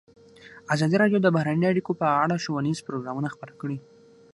ازادي راډیو د بهرنۍ اړیکې په اړه ښوونیز پروګرامونه خپاره کړي.